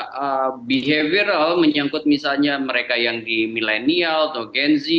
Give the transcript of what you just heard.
hanya behavioral menyangkut misalnya mereka yang di millennial atau genzi